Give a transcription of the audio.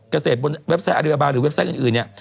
เกษตรบนเว็บไซต์อริยาบาหรือเว็บไซต์อื่นเนี่ย